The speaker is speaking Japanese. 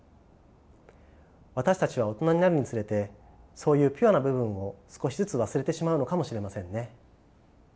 私たちは大人になるにつれてそういうピュアな部分を少しずつ忘れてしまうのかもしれませんね。